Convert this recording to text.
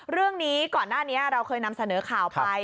เรื่องนี้ก่อนหน้านี้เราเคยนำเสนอข่าวไป